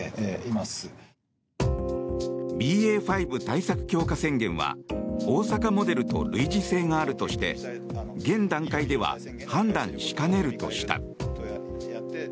ＢＡ．５対策強化宣言は大阪モデルと類似性があるとして現段階では判断しかねるとした。